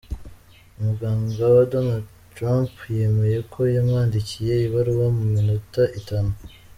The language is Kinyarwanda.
Umuganga wa Donald Trumpyemeye ko yamwandikiye ibaruwa mu minota itanu.